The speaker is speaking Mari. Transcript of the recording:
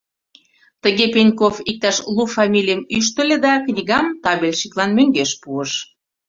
Тыге Пеньков иктаж лу фамилийым ӱштыльӧ да книгам табельщиклан мӧҥгеш пуыш.